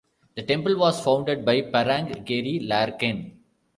The temple was founded by P'arang Geri Larkin.